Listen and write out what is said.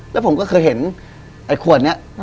แล้วผมก็เคยเห็นไอ้ขวดนี้